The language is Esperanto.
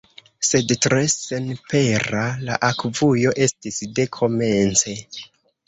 Sed tre senpera la akvujo estis de komence.